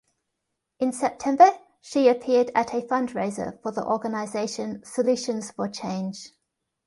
In September, she appeared at a fundraiser for the organization Solutions for Change.